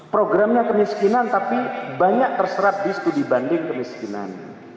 programnya kemiskinan tapi banyak terserap di studi banding kemiskinan